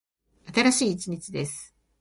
新しい一日です。